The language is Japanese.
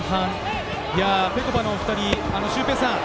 ぺこぱの２人、シュウペイさん